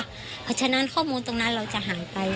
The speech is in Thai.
เพราะฉะนั้นข้อมูลตรงนั้นเราจะหายไป